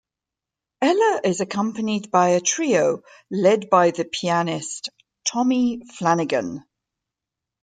Ella is accompanied by a trio led by the pianist Tommy Flanagan.